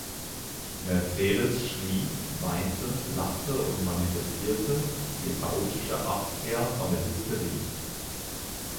Mercedes schrie, weinte, lachte und manifestierte die chaotische Abkehr von der Hysterie.